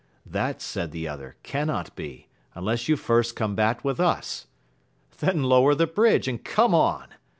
That, said the other, cannot be, unless you first combat with us. — Then lower the bridge, and come on